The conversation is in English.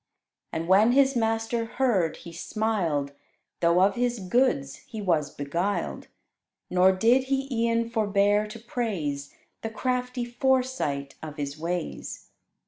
And when his master heard, he smiled, Though of his goods he was beguiled: Nor did he e'en forbear to praise The crafty foresight of his ways.